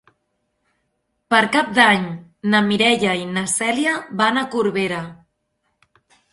Per Cap d'Any na Mireia i na Cèlia van a Corbera.